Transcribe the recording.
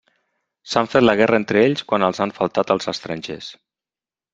S'han fet la guerra entre ells quan els han faltat els estrangers.